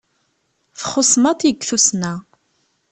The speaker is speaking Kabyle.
Txuṣṣ maḍi deg Tussna.